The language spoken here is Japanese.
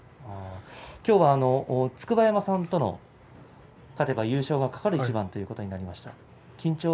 きょうは筑波山さんとの勝てば優勝が懸かる一番ということになりました。